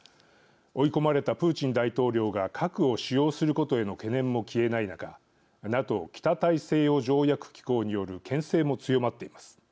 追い込まれたプーチン大統領が核を使用することへの懸念も消えない中ＮＡＴＯ＝北大西洋条約機構によるけん制も強まっています。